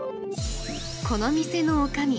この店のおかみ